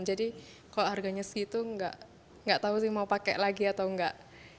jadi kalau harganya segitu enggak tau sih mau pakai lagi atau enggak